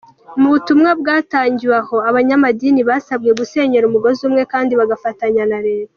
Mu butumwa bwatangiwe aho, abanyamadini basabwe gusenyera umugozi umwe kandi bagafatanya na Leta.